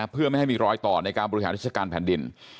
เพื่อไม่ให้มีรอยต่อในการบริหารราชการแผ่นดิน